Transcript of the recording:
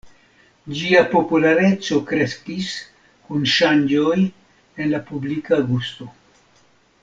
Ĝia populareco kreskis kun ŝanĝoj en la publika gusto.